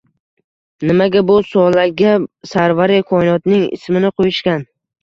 Nimaga bu bolaga sarvari koinotning ismini qoʻyishgan.